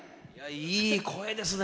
いい声ですね！